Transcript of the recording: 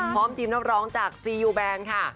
พร้อมทีมนักร้องจากซียูแบนค่ะ